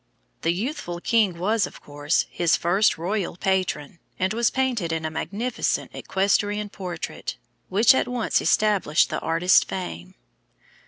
The youthful king was, of course, his first royal patron, and was painted in a magnificent equestrian portrait, which at once established the artist's fame.